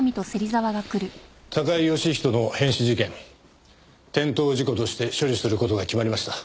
高井義人の変死事件転倒事故として処理する事が決まりました。